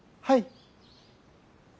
はい。